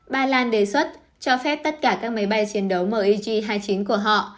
ba lan đề xuất cho phép tất cả các máy bay chiến đấu mig hai mươi chín của họ